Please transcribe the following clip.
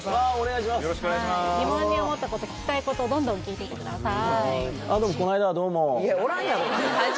疑問に思ったこと聞きたいことどんどん聞いていってください